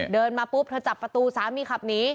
มาปุ๊บเธอจับประตูสามีขับหนี